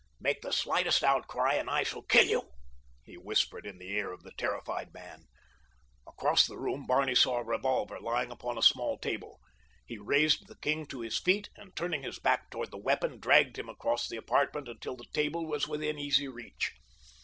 "Make the slightest outcry and I shall kill you," he whispered in the ear of the terrified man. Across the room Barney saw a revolver lying upon a small table. He raised the king to his feet and, turning his back toward the weapon dragged him across the apartment until the table was within easy reach.